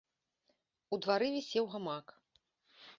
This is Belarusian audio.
У двары вісеў гамак.